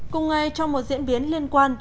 cùng ngày trong một diễn biến liên quan